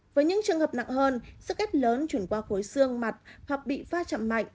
với những trường hợp nặng hơn sức ép lớn chuyển qua khối xương mặt hoặc bị pha chậm mạnh